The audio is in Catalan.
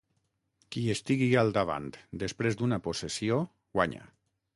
Qui estigui al davant després d'una possessió, guanya.